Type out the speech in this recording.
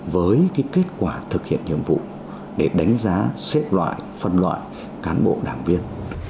với kết quả thực hiện nhiệm vụ để đánh giá xếp loại phân loại cán bộ đảng viên